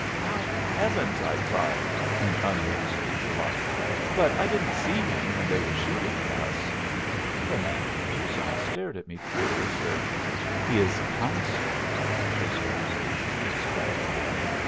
"By heavens!" I cried, in unmixed delight. "But I didn't see him when they were shooting at us." The man from Tucson stared at me curiously. "He is counsel for the prisoners," he explained.